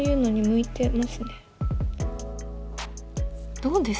どうです？